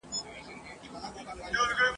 د حیرت ګوته په غاښ ورته حیران وه !.